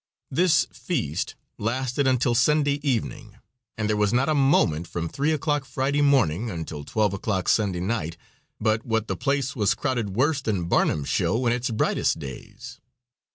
This feast lasted until Sunday evening, and there was not a moment from three o'clock Friday morning, until twelve o'clock Sunday night, but what the place was crowded worse than Barnum's show in its brightest days.